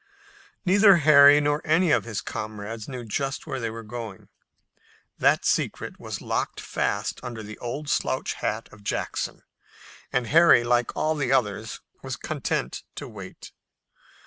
Neither Harry nor any of his comrades knew just where they were going. That secret was locked fast under the old slouch hat of Jackson, and Harry, like all the others, was content to wait.